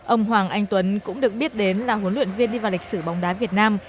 ông hoàng anh tuấn cũng được biết đến là huấn luyện viên đi vào lịch sử bóng đá việt nam